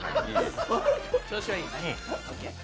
調子はいいです。